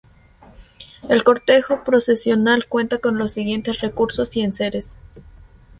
El cortejo procesional cuenta con los siguientes recursos y enseres.